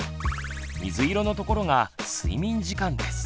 水色のところが睡眠時間です。